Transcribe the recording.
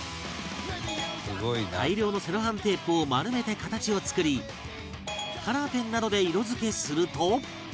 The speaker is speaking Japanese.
大量のセロハンテープを丸めて形を作りカラーペンなどで色付けすると